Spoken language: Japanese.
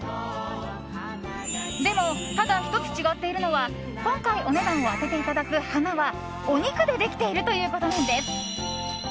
でも、ただ１つ違っているのは今回お値段を当てていただく花はお肉でできているということなんです。